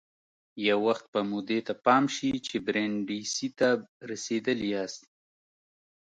یو وخت به مو دې ته پام شي چې برېنډېسي ته رسېدلي یاست.